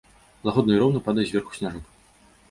Лагодна і роўна падае зверху сняжок.